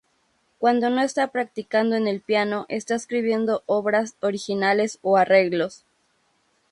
Cuando no está practicando en el piano, está escribiendo obras originales o arreglos.